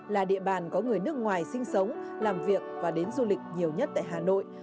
là địa bàn có người nước ngoài sinh sống làm việc và đến du lịch nhiều nhất tại hà nội